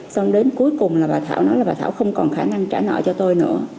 xong đến cuối cùng là bà thảo nói là bà thảo không còn khả năng trả nợ cho tôi nữa